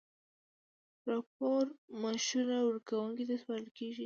راپور مشوره ورکوونکي ته سپارل کیږي.